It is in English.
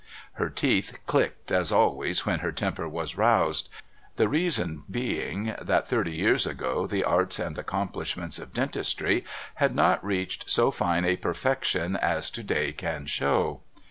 Her teeth clicked as always when her temper was roused, the reason being that thirty years ago the arts and accomplishments of dentistry had not reached so fine a perfection as to day can show.